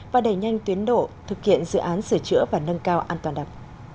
và đẩy nhanh tuyến đổ thực hiện dự án sửa chữa và nâng cao an toàn đập